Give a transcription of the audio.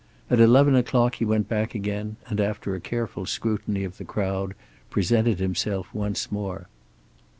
At eleven o'clock he went back again, and after a careful scrutiny of the crowd presented himself once more.